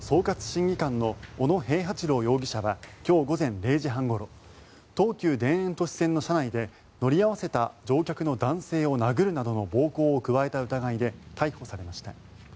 審議官の小野平八郎容疑者は今日午前０時半ごろ東急田園都市線の車内で乗り合わせた乗客の男性を殴るなどの暴行を加えた疑いで逮捕されました。